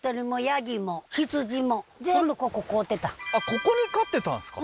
ここに飼ってたんですか？